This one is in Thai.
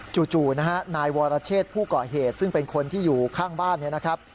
จู่นะฮะนายวรเชษผู้ก่อเหตุซึ่งเป็นคนที่อยู่ข้างบ้านเนี่ยนะครับ